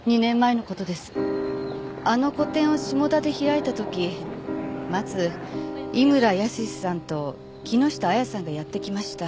あの個展を下田で開いた時まず井村泰さんと木下亜矢さんがやって来ました。